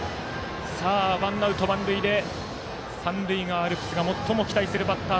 ワンアウト、満塁で三塁側アルプスが最も期待するバッター